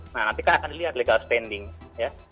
nah nanti kan akan dilihat legal standing ya